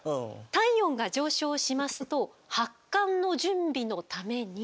体温が上昇しますと発汗の準備のために。